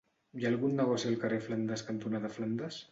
Hi ha algun negoci al carrer Flandes cantonada Flandes?